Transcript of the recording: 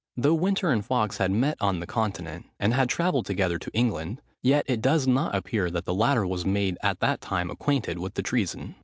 Though Winter and Fawkes had met on the Continent, and had travelled together to England, yet it does not appear that the latter was made at that time acquainted with the treason.